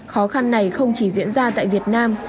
khó khăn này không chỉ diễn ra tại việt nam